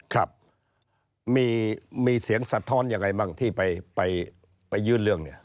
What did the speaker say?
ครับมีเสียงสะท้อนยังไงบ้างที่ไปยื่นเรื่องเนี่ย